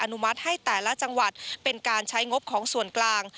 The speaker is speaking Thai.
นุมัติให้แต่ละจังหวัดเป็นการใช้งบของส่วนกลาง